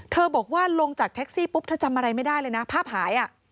บอกว่าลงจากแท็กซี่ปุ๊บเธอจำอะไรไม่ได้เลยนะภาพหาย